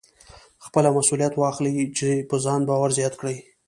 خپله مسوليت واخلئ چې په ځان باور زیات کړئ.